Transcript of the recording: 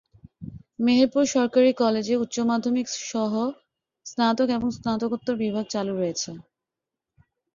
মেহেরপুর সরকারি কলেজে উচ্চ মাধ্যমিক সহ স্নাতক এবং স্নাতকোত্তর বিভাগ চালু রয়েছে।